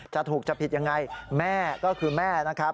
จะถูกจะผิดยังไงแม่ก็คือแม่นะครับ